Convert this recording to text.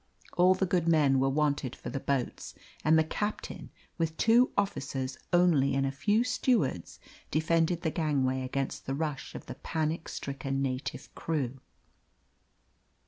All the good men were wanted for the boats, and the captain, with two officers only and a few stewards, defended the gangway against the rush of the panic stricken native crew.